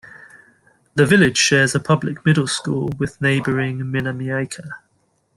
The village shares a public middle school with neighboring Minamiaika.